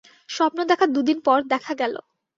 স্বপ্ন দেখার দু দিন পর দেখা গেল।